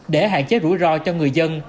để hạn chế rủi ro cho người dân